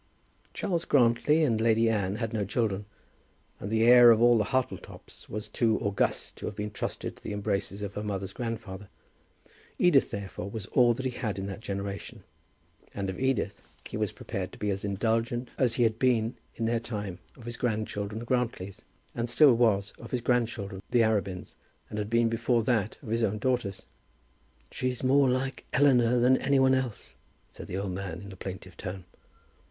Charles Grantly and Lady Anne had no children, and the heir of all the Hartletops was too august to have been trusted to the embraces of her mother's grandfather. Edith, therefore, was all that he had in that generation, and of Edith he was prepared to be as indulgent as he had been, in their time, of his grandchildren the Grantlys, and still was of his grandchildren the Arabins, and had been before that of his own daughters. "She's more like Eleanor than any one else," said the old man in a plaintive tone.